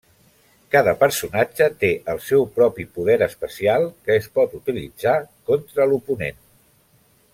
Cada personatge té el seu propi poder especial, que es pot utilitzar contra l'oponent.